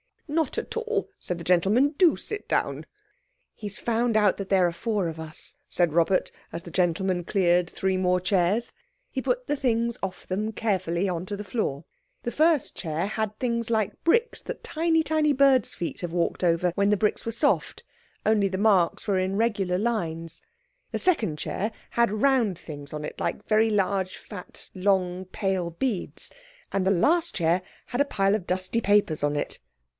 "Not at all," said the gentleman; "do sit down." "He has found out there are four of us," said Robert, as the gentleman cleared three more chairs. He put the things off them carefully on the floor. The first chair had things like bricks that tiny, tiny birds' feet have walked over when the bricks were soft, only the marks were in regular lines. The second chair had round things on it like very large, fat, long, pale beads. And the last chair had a pile of dusty papers on it.